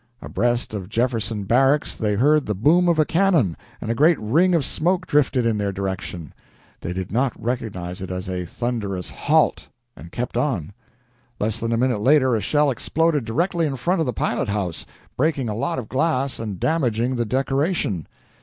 Abreast of Jefferson Barracks they heard the boom of a cannon, and a great ring of smoke drifted in their direction. They did not recognize it as a thunderous "Halt!" and kept on. Less than a minute later, a shell exploded directly in front of the pilot house, breaking a lot of glass and damaging the decoration.